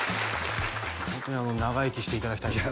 ホントに長生きしていただきたいですいや